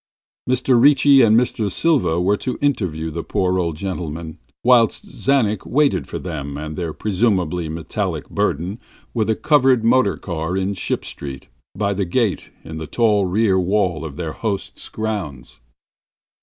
Mr. Ricci and Mr. Silva were to interview the poor old gentleman, whilst Mr. Czanek waited for them and their presumably metallic burden with a covered motor car in Ship Street, by the gate in the tall rear wall of their host's grounds.